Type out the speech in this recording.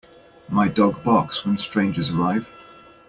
My dog barks when strangers arrive.